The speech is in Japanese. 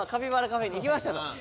カフェに行きましたと。